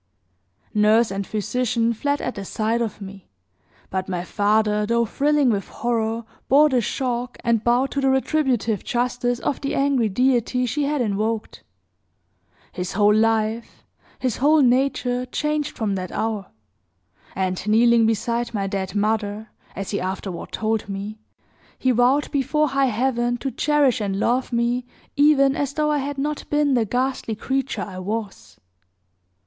"Nurse and physician fled at the sight of me; but my father, though thrilling with horror, bore the shock, and bowed to the retributive justice of the angry Deity she had invoked. His whole life, his whole nature, changed from that hour; and, kneeling beside my dead mother, as he afterward told me, he vowed before high Heaven to cherish and love me, even as though I had not been the ghastly creature I was.